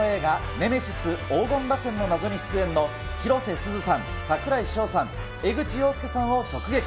ネメシス黄金螺旋の謎に出演の広瀬すずさん、櫻井翔さん、江口洋介さんを直撃。